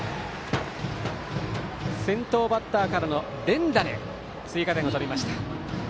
先頭バッターからの連打で追加点を取りました。